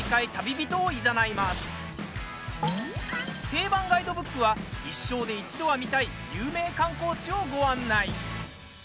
「定番ガイドブック」は一生で一度は見たい有名観光地をご案内。